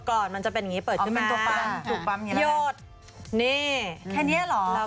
เขาง่ายมากเลยคือหรือเปล่า